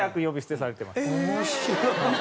面白い！